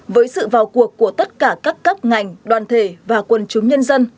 với sự vào cuộc của tất cả các cấp ngành đoàn thể và quân chúng nhân dân